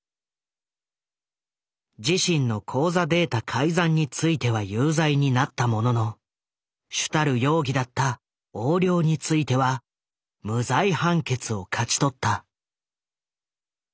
自身の口座データ改ざんについては有罪になったものの主たる容疑だった「横領」については無罪判決を勝ち取った。